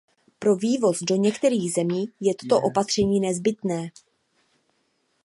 Pro vývoz do některých zemí je toto opatření nezbytné.